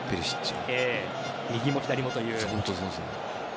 右も左もという。